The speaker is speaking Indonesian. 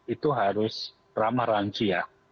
itu harus ramah lansia